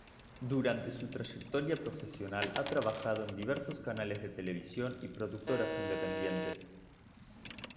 Durante su trayectoria profesional ha trabajado en diversos canales de televisión y productoras independientes.